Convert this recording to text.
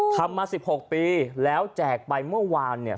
ทำมา๑๖ปีแล้วแจกไปเมื่อวานเนี่ย